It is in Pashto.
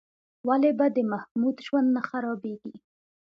ولې به د محمود ژوند نه خرابېږي؟